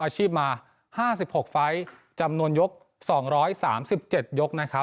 อาชีพมาห้าสิบหกไฟล์จำนวนยกสองร้อยสามสิบเจ็ดยก